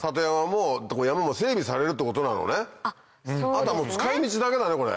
あとはもう使い道だけだねこれ。